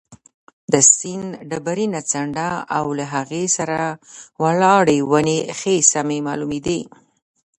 د سیند ډبرینه څنډه او له هغې سره ولاړې ونې ښه سمې معلومېدې.